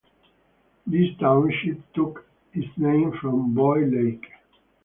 This township took its name from Boy Lake.